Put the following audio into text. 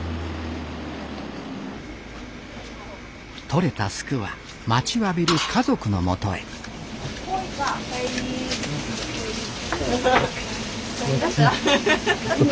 取れたスクは待ちわびる家族のもとへおかえり。